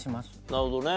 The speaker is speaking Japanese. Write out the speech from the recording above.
なるほどね。